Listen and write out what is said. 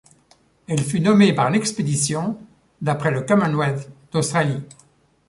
Elle fut nommée par l'expédition d'après le Commonwealth d'Australie.